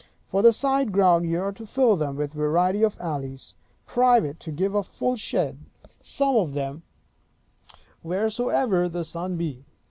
For the side grounds, you are to fill them with variety of alleys, private, to give a full shade, some of them, wheresoever the sun be.